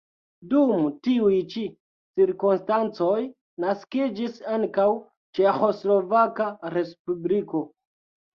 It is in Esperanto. Dum tiuj ĉi cirkonstancoj naskiĝis ankaŭ Ĉeĥoslovaka respubliko.